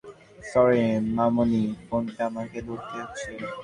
Sorry, মামনি, ফোনটা আমাকে ধরতেই হচ্ছে।